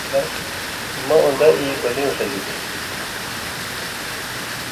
آں مہ اُن٘دہ ای بلیُوں ݜژی تُھو